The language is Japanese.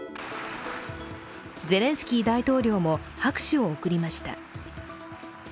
ゼレンスキー大統領も拍手を送りました。